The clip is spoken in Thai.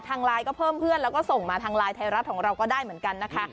ทางไลน์ก็เพิ่มเพื่อนแล้วก็ส่งมาทางไลน์ไทยรัฐของเราก็ได้เหมือนกันนะคะ